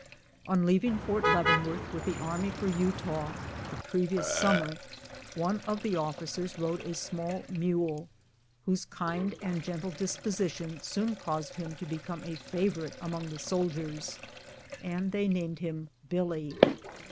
On leaving Fort Leavenworth with the army for Utah in the previous summer, one of the officers rode a small mule, whose kind and gentle disposition soon caused him to be come a favorite among the soldiers, and they named him " Billy."